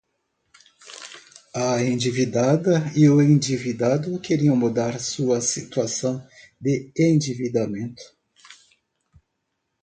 A endividada e o endividado queriam mudar sua situação de endividamento